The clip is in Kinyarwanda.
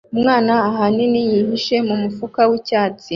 Umwana ahanini yihishe mumufuka wicyatsi